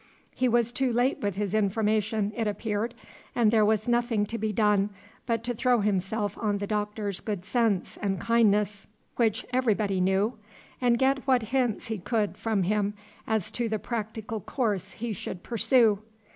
He was too late with his information, it appeared, and there was nothing to be done but to throw himself on the Doctor's good sense and kindness, which everybody knew, and get what hints he could from him as to the practical course he should pursue.